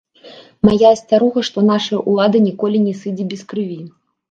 Мая асцярога, што нашая ўлада ніколі не сыдзе без крыві.